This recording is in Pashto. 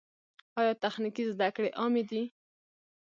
آیا تخنیکي زده کړې عامې دي؟